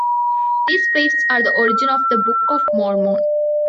These plates are the origin of the Book of Mormon.